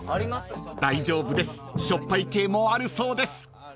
［大丈夫ですしょっぱい系もあるそうです］